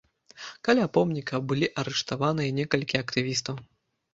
Каля помніка былі арыштаваныя некалькі актывістаў.